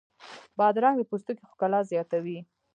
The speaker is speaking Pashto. بادرنګ د پوستکي ښکلا زیاتوي.